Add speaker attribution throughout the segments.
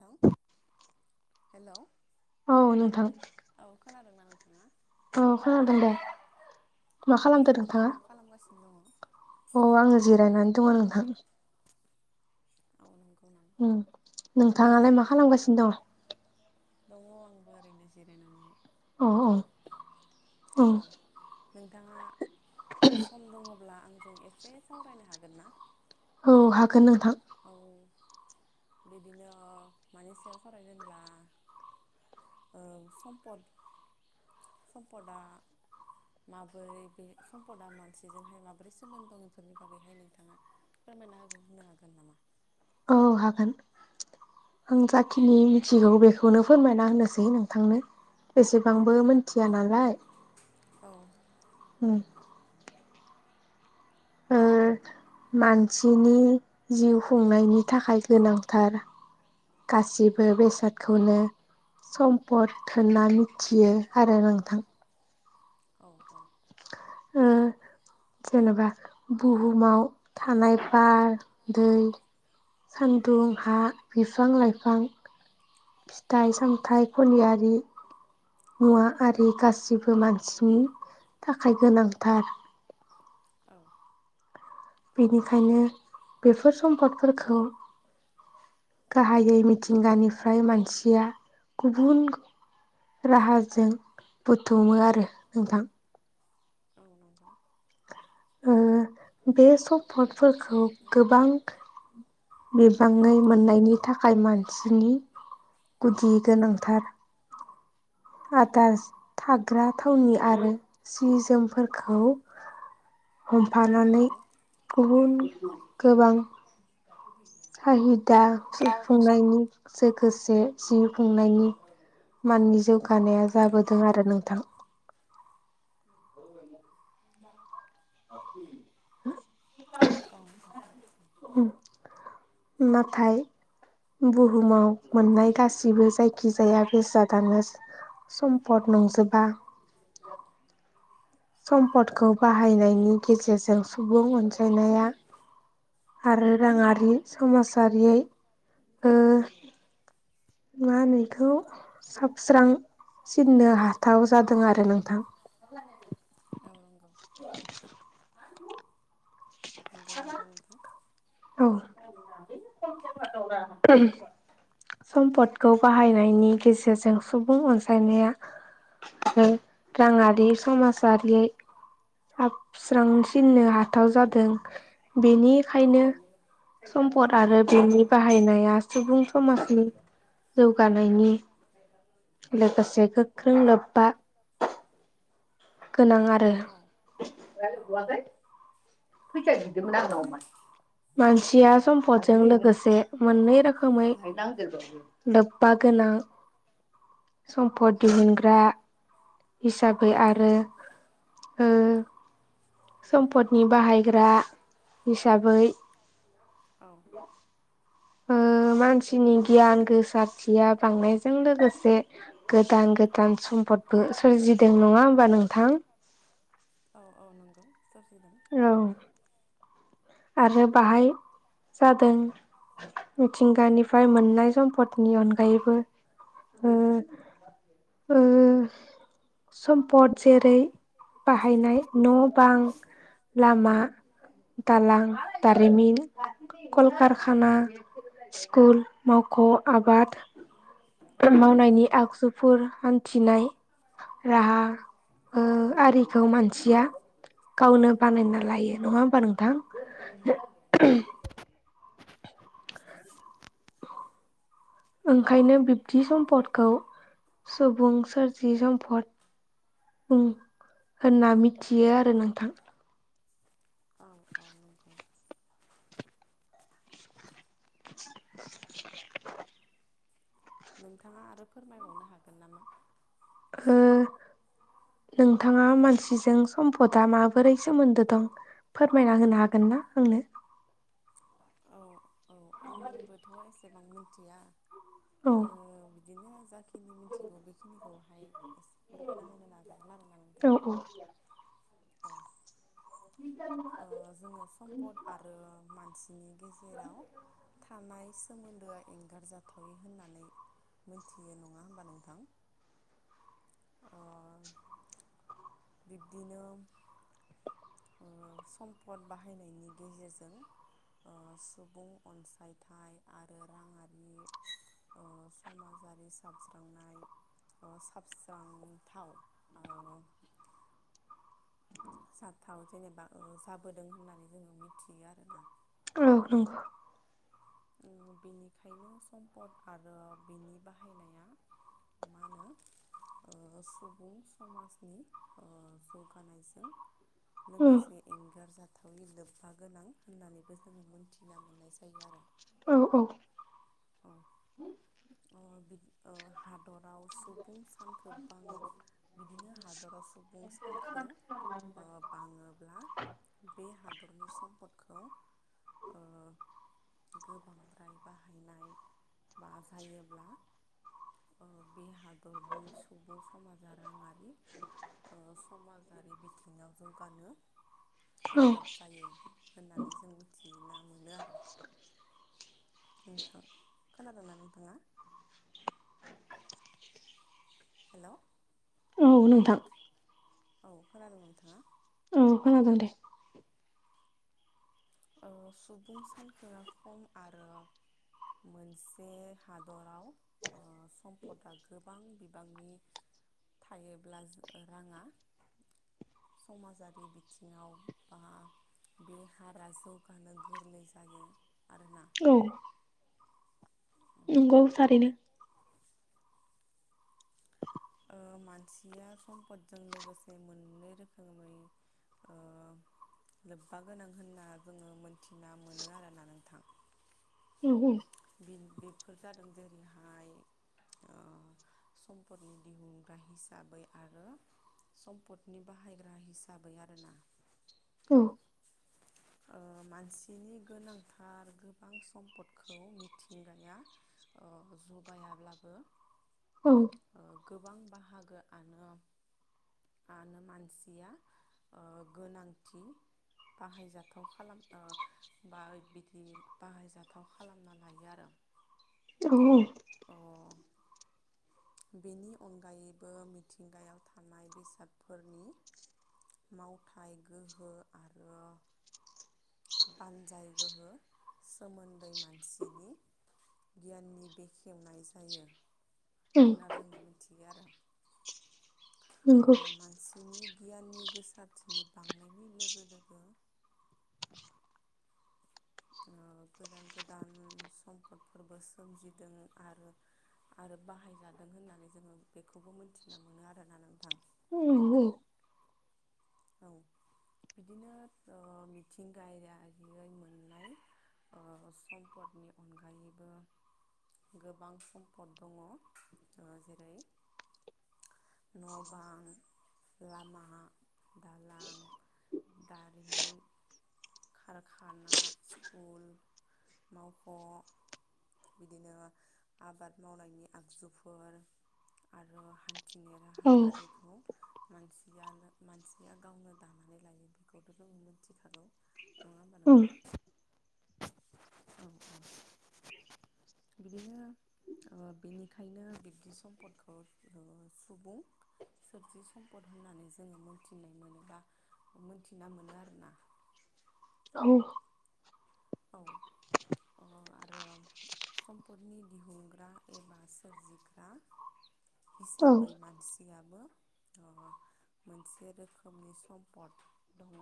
Speaker 1: ल' हेल'।
Speaker 2: औ नोंथां।
Speaker 1: औ खोनादोंना नोंथाङा?
Speaker 2: औ खोनादों दे
Speaker 1: औ
Speaker 2: मा खालामदो नोंथाङा?
Speaker 1: मा खालामगासिनो दङ।
Speaker 2: औ आङो जिरायनानै दङ नोंथां।
Speaker 1: औ नंगौ नों
Speaker 2: उम नोंथाङालाय मा
Speaker 1: नोंथाङा औ।
Speaker 2: खालामगासिनो दङ?
Speaker 1: दङ आंबो ओरैनो जिरायनानैहाय
Speaker 2: औ
Speaker 1: बुं
Speaker 2: औ
Speaker 1: नोंथां औ नोंथाङा सम दङब्ला आंजों एसे सावरायनो हागोन ना
Speaker 2: औ हागोन नोंथां
Speaker 1: औ बिदिनो मानि सायाव सारायनो होनब्ला ओ सम्पद सम्पदआ माबोरै बे सम्पदा मानसिजोंहाय माबोरै सोमोन्दो दं बेफोरनि बागैहाय नोंथाङा फोरमायना होगोन होननो हागोन नामा
Speaker 2: औ हागोन आं जाखिनि मिथिगौ बेखौ बेखौनो फोरमायना होनोसै नोंथांनो बेसेबांबो मोन खुथिया नालाय
Speaker 1: औ
Speaker 2: ओ मानसिनि जिउ खुंनायनि थाखाय गोनांथार गासिबो बेसादखौनो सम्पद होनना मिथियो आरो नोंथां।
Speaker 1: औ औ
Speaker 2: ओ जेनेबा बुहुमाव थानाय बार दै सानदुं हा बिफां लाइफां फिथाइ सामथाइ खलियारि मुवा आरि गासिबो मानसिनि थाखाय गोनांथार
Speaker 1: औ
Speaker 2: बेनिखायनो बेफोर सम्फदफोरखौ गाहायै मिथिंगानिफ्राय मानसिया गुबुन राहाजों बुथुमो आरो नोंथां
Speaker 1: औ नंगौ
Speaker 2: ओ बे समपद फोरखौ गोबां बिबाङै मोननायनि थाखाय मानसिनि गुदि गोनांथार आदार थाग्रा थावनि आरो सि जोमफोरखौ
Speaker 1: औ
Speaker 2: हमफानानै
Speaker 1: नंगौ
Speaker 2: गुबुन गोबां
Speaker 1: [unintelligible]
Speaker 2: हाहिदाफुंनायनि लोगोसे जिउ खुंनायनि माननि जौगानाया जाबोदों आरो नोंथां
Speaker 1: [unintelligible]
Speaker 2: [inaudible]
Speaker 1: औ
Speaker 2: नाथाय बुहुमाव मोननाय गासिबो जायखिजाया बेसादानो सम्पद नंजोबा
Speaker 1: म [inaudible]
Speaker 2: सम्पदखौ बाहायनायनि गेजेरजों सुबुं अनजायनाया आरो राङारि समाजारियै ओ मा होनो इखौ साबस्रांसिननो हाथाव जादों आरो नोंथां [inaudible]
Speaker 1: औ नंगौ
Speaker 2: [inaudible]
Speaker 1: नंगौ नंगौ नोंथां
Speaker 2: औ। सम्पदखौ बाहायनायनि गेजेरजों सुबुं अनसायनाया राङारि समाजारि हाबस्रांसिननो हाथाव जादों बेनिखायनो सम्पद आरो बेनि बाहायनाया सुबुं समाजनि जौगानायनि लोगोसे गोख्रों लोब्बा गोनां आरो
Speaker 1: औ औ
Speaker 2: फैसा बिदोंमोन आंनावमान मानसिया सम्पदजों लोगोसे मोननै रोखोमै नागिर लोब्बा गोनां सम्फद दिहुनग्रा हिसाबै आरो ओ सम्पदनि बाहायग्रा हिसाबै
Speaker 1: औ
Speaker 2: ओ मानसिनि गियान गोसारथिया बांनायजों लोगोसे गोदान गोदान सम्पदबो सोरजिदों नङा होमबा नोंथां।
Speaker 1: औ औ नंगौ सोरजिदों
Speaker 2: औ आरो बाहाय जादों मिथिंगानिफ्राय मोननाय सम्पदनि अनगायैबो ओ सम्पद जेरै बाहायनाय न' बां लामा दालां दारिमिन कलकारखाना स्कुल मावख' आबाद
Speaker 1: औ
Speaker 2: मावनायनि आगजुफोर हान्थिनाय राहा ओ आरिखौ मानसिया गावनो बानायना लायो नङा होमबा नोंथां ओंखायनो बिब्दि सम्पदखौ सुबुं सोरजि सम्फद बुं होनना मिथियो आरो नोंथां।
Speaker 1: औ औ नंगौ
Speaker 2: [inaudible]
Speaker 1: नोंथाङा आरो फोरमायबावनो हागोन नामा।
Speaker 2: ओ
Speaker 1: एसे
Speaker 2: नोंथाङा मानसिजों सम्पदा माबोरै सोमोन्दो दं फोरमायना होनो हागोन ना आंनो
Speaker 1: औ औ आंबोथ' एसेबां मिथिया
Speaker 2: औ
Speaker 1: आङो बिदिनो जाखिनि मिथिगौ बेखिनिखौहाय एसे फोरमायना होनो नाजागोन आरोना नोंथां।
Speaker 2: औ औ
Speaker 1: औ
Speaker 2: [inaudible]
Speaker 1: ओ जोंङो सम्पद आरो मानसिनि गेजेराव थानाय सोमोन्दोआ एंगारजाथावि होननानै मोनथियो नङा होमबा नोंथां। अ बिब्दिनो ओ सम्पद बाहायनायनि गेजेरजों ओ सुबुं अनसायथाइ आरो राङारि अ समाजारि साबज्रांनाय ओ साबस्रांथाव ओ जाथाव जेनेबा जाबोदों होननानै जोङो मिथियो आरोना।
Speaker 2: औ नंगौ
Speaker 1: बेनिखायनो सम्पद आरो बिनि बाहायनाया मा होनो ओ सुबुं समाजनि ओ जौगानायजों
Speaker 2: औ
Speaker 1: लोगोसे एंगारजाथावि लोब्बा गोनां होननानैबो जोंङो मोन्थिना मोननाय जायो आरो।
Speaker 2: औ औ
Speaker 1: औ अ बिद अ हादराव सुबुं सान गोबबाङो बिदिनो हादराव सुबुं सानखो ओ बाङोब्ला बे हादरनि सम्पदखौ ओ गोबांद्राय बाहायनाय बा हायोब्ला ओ बे हादरनि सुबुं समाजा राङारि ओ समाजारि बिथिङाव जौगानो
Speaker 2: औ
Speaker 1: गोब्राब जायो होननानै जों मिथिना मोनो आरो नोंथां खोनादोंना नोंथाङा हेल'
Speaker 2: उ नोंथां
Speaker 1: औ खोनादों नोंथाङा?
Speaker 2: औ खोनादों दे
Speaker 1: ओ सुबुं सानखोआ खम आरो मोनसे हादराव ओ सम्पदआ गोबां बि बांनि थायोब्ला [unintelligible] राङा समाजारि बिथिङाव बा बे हारा जौगानो गोरलै जायो आरोना
Speaker 2: औ
Speaker 1: [inaudible]
Speaker 2: गोव सारैनो
Speaker 1: [inaudible] ओ‌ मानसिया सम्पदजों लोगोसे मोननै रोखोमै ओ लोब्बा गोनां होनना जोङो मोनथिना मोनो आरोना नोंथां
Speaker 2: [inaudible]
Speaker 1: बिनि बेफोर जादों जेरैहाय ओ सम्पदनि दिहुनग्रा हिसाबै आरो सम्पदनि बाहायग्रा हिसाबै आरोना
Speaker 2: औ
Speaker 1: ओ मानसिनि गोनांथार गोबां सम्पदखौ मिथिंगाया ओ जगायाब्लाबो
Speaker 2: औ
Speaker 1: ओ गोबां बाहागोआनो आनो मानसिया ओ गोनांथि बाहायजाथाव खालाम ओ बा बिदि बाहायजाथाव खालामना लायो आरो
Speaker 2: [inaudible]
Speaker 1: अ बेनि अनगायैबो मिथिंगायाव थानाय बेसादफोरनि मावथाय गोहो आरो बानजाय गोहो सोमोन्दै मानसिनि गियाननि बेखेवनाय जायो
Speaker 2: औ
Speaker 1: होनना जोङो मिथियो आरो
Speaker 2: नंगौ
Speaker 1: ओ मान सिनि गियाननि गोसारथिनि बांनायनि लोगो-लोगो गोदान-गोदान सम्पदफोरबो सोमजिदों आरो आरो बाहायजादों होननानै जोङो बेखौबो मोनथिना मोनो आरोना नोंथां।
Speaker 2: [inaudible]
Speaker 1: औ बिदिनो ओ मिथिंगायारियै मोन मोननाय ओ सम्पदनि अनगायैबो गोबां सम्पद दङ ओ जेरै न'बां लामा दालां दारिमिन कारखाना स्कुल मावख' बिदिनो आबाद मावनायनि आगजुफोर आरो हान थिनाय
Speaker 2: औ
Speaker 1: राहा आरो खौ मानसियानो मानसिया गावनो दानानै लायो बेखौथ' जों मिथिखागौ नङा होमबा
Speaker 2: औ
Speaker 1: नोंथां औ औ बिदिनो ओ बेनिखायनो बिब्दि सम्पदखौ सुबुं सोरजि सम्पद होननानै जोङो मोनथिनाय मोनोबा मोनथिना मोनो आरोना
Speaker 2: औ
Speaker 1: औ अ आरो सम्पदनि दिहुनग्रा एबा सोरजिग्रा हिसाबै मानसियाबो ओ मोनसे रोखोमनि सम्पद दङ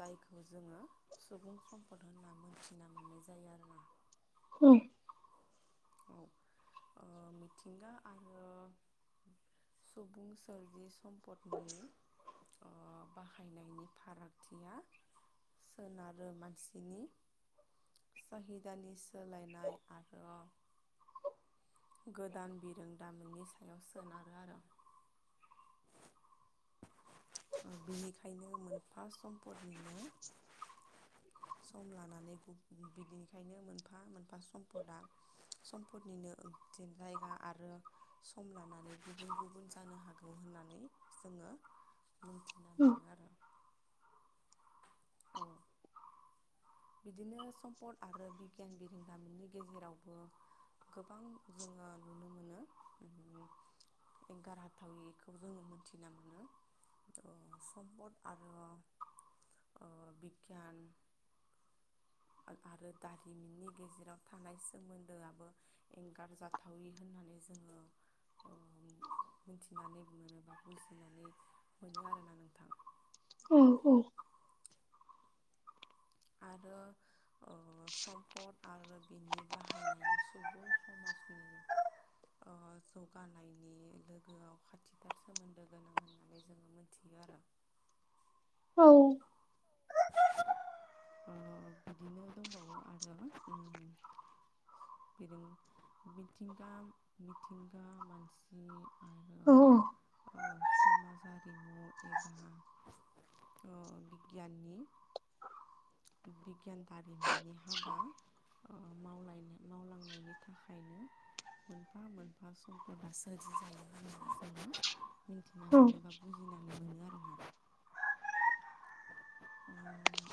Speaker 1: जायखौ जोङो सुबुं सम्पद होनना मोनथिना मोननाय जायो आरोना
Speaker 2: उम
Speaker 1: औ ओ मिथिंगा आरो सुबुं सोरजि सम्पदनि ओ बाहायनायनि फारागथिया सोनारो मानसि बिनि साहिदानि सोलायनाय आरो गोदान बिरोंदामोननि सायाव सोनारो आरो ओ बेनिखायनो मोनफा सम्पदनिनो
Speaker 2: [inaudible]
Speaker 1: सम लानानै बिदिनिखायनो मोनफा मोनफा सम्पदा सम्पदनिनो ओं थिगलायगा आरो सम लानानै माने गुबुन गुबुन जानो हागौ होननानै जोङो मिथिना मोनो आरो औ बिदिनो सम्पद आरो बिगियानगिरि दामुंनि गेजेरावबो गोबां जोङो नुनो मोनो उम एंगारहाथायिखौ जोङो मोनथिना मोनो सम्पद आरो ओ बिगियान आरो दारिमिननि गेजेराव थानाय सोमोन्दोआबो एंगार जाथावि होननानै जोङो ओ मिथिनानै मोनोबा बुजिनानै मोनो आरोना नोंथां।
Speaker 2: औ औ
Speaker 1: आरो ओ सम्पद आरो बिनि बाहायनाया सुबुं समाजनि ओ जौगानायनि लोगोआव खाथिथार सोमोन्दो गोनां होननानै जोङो मोन थियो आरो
Speaker 2: औ
Speaker 1: ओ बिदिनो दंबावो आरो उम बिदिनो मिथिंगा मिथिंगा मानसि
Speaker 2: औ
Speaker 1: आरो ओ समाज आरारिमु एबा ओ बिगियाननि बिगियान दारिमिननि हाबा ओ मावलायनाय मावलांनायनि थाखायनो मोनफा मोनफा सम्फदा सोरजि जायो [unintelligible] मिथिना
Speaker 2: औ
Speaker 1: मोनो बा बुजिनानै मोनो आरो ना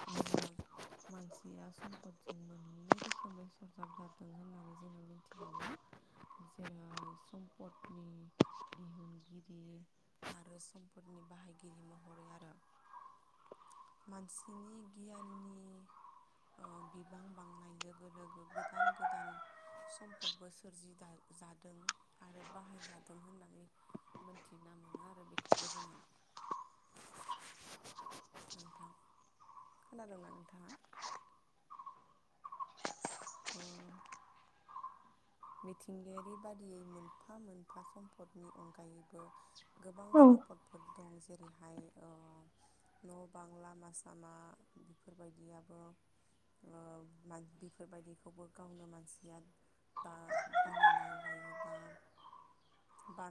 Speaker 1: आ [unintelligible] मानसिया सम्पदजों मोननै रोखोमै सरजाब जादों होननानै जोङो मिथिबावो जोङो सम्पदनि दिहुनगिरि आरो सम्पदनि बाहायगिरि महरै आरो मानसिनि गियाननि ओ बिबां बांनाय लोगो लोगो गोदान गोदान सम्फदबो सोरजि जादों आरो बाहायजादों होननानै मोनथिना मोनो आरो बेखौबो जोङो नोंथां खोनादोंना नोंथाङा?
Speaker 2: [inaudible]
Speaker 1: अ' मिथिंगायारि बादियै मोनफा मोनफा सम्पदनि अनगायैबो गोबां
Speaker 2: औ
Speaker 1: सम्पदफोर दं जेरैहाय ओ न' बां लामा सामा बेफोरबायदियाबो ओ मान बेफोरबायदिखौबो गावनो मानसिया दा बानायना लायो बानाय